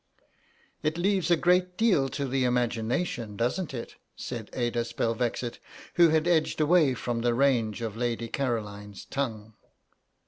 "It leaves a great deal to the imagination, doesn't it?" said Ada Spelvexit, who had edged away from the range of Lady Caroline's tongue.